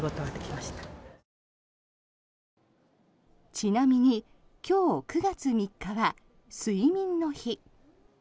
ちなみに今日９月３日は睡眠の日。